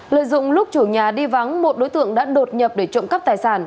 lợi dụng lúc chủ nhà đi vắng một đối tượng đã đột nhập để trộm cắp tài sản